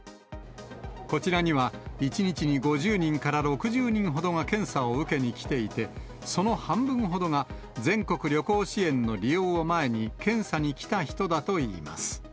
こちらには、１日に５０人から６０人ほどが検査を受けに来ていて、その半分ほどが全国旅行支援の利用を前に検査に来た人だといいます。